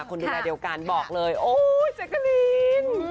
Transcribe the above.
คนดูแลเดียวกันบอกเลยโอ๊ยแจ๊กกะลีน